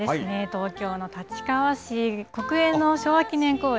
東京の立川市国営の昭和記念公園。